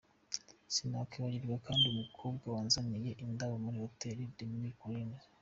Sinakwibagirwa kandi umukobwa wanzaniye indabo muri Hotel des Mille Collines.